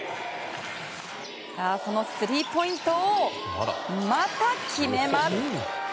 そのスリーポイントをまた決めます。